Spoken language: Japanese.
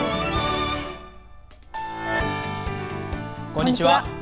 こんにちは。